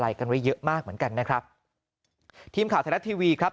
กันไว้เยอะมากเหมือนกันนะครับทีมข่าวไทยรัฐทีวีครับ